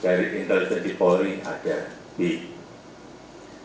dari intelijen di polri ada b